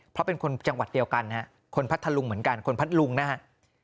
เพราะเป็นคนจังหวัดเดียวกันคนพัทธลุงเหมือนกันคนพัทธลุงนะฮะ